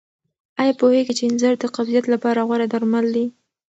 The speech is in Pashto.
آیا پوهېږئ چې انځر د قبضیت لپاره غوره درمل دي؟